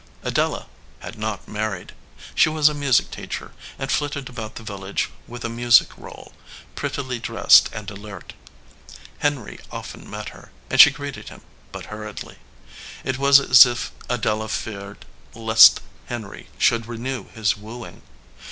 Adela had not married. She was a music teacher, and flitted about the village with a music roll, prettily dressed and alert. Henry often met her, and she greeted him, but hurriedly. It was as if Adela feared lest Henry should renew his wooing.